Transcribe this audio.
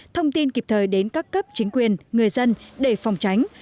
thông tin kịp thời đến các cấp chính quyền người dân để phòng tránh